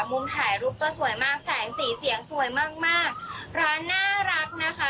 มุมถ่ายรูปก็สวยมากแสงสีเสียงสวยมากมากร้านน่ารักนะคะ